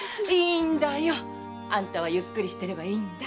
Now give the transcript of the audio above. いいんだよあんたはゆっくりしてればいい。